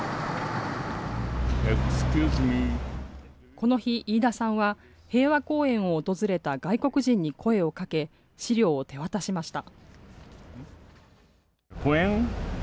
この日、飯田さんは平和公園を訪れた外国人に声をかけ、資料を手渡しました。